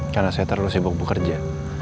karena saya terlalu sibuk bekerja